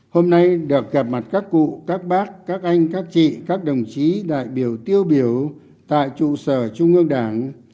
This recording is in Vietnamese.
hôm nay được gặp mặt các cụ các bác các anh các chị các đồng chí đại biểu tiêu biểu tại trụ sở trung ương đảng